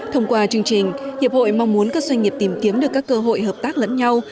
thông qua chương trình hiệp hội mong muốn các doanh nghiệp tìm kiếm được các cơ hội hợp tác lẫn nhau